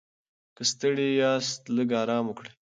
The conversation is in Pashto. که ستړي یاست، لږ ارام وکړئ.